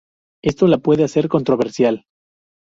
Esto la puede hacer controversial.